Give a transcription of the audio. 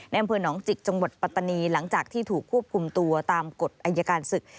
อำเภอหนองจิกจังหวัดปัตตานีหลังจากที่ถูกควบคุมตัวตามกฎอายการศึก